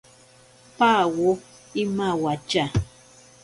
Pawo imawatya.